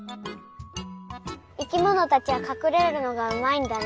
生きものたちはかくれるのがうまいんだなとおもった。